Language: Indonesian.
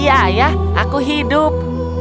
iya ayah aku hidup